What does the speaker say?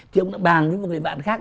thì ông đã bàn với một người bạn khác